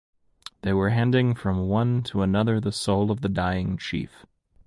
They were handing from one to another the soul of the dying chief.